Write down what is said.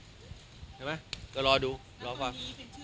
เห็นไหมก็รอดูรอฟัง